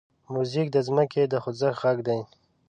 موزیک د ځمکې د خوځښت غږ دی.